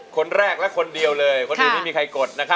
คนแรกและคนเดียวเลยคนอื่นไม่มีใครกดนะครับ